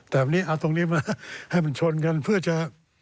แต่วันนี้เอาตรงนี้มาให้มันชนกันเพื่อจะ